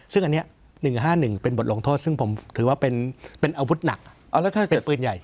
ซึ่งอันนี้๑๕๑เป็นบทลงโทษซึ่งผมถือว่าเป็นอาวุธหนักเป็นปืนใหญ่